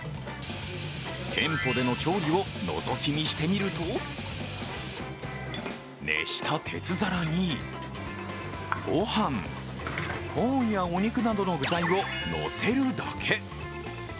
店舗での調理をのぞき見してみると熱した鉄皿に、ごはんコーンやお肉などの具材をのせるだけ。